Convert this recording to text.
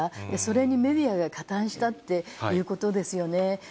それにメディアが加担したっていうことですよね。